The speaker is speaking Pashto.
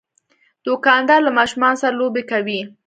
دوکاندار له ماشومان سره لوبې کوي.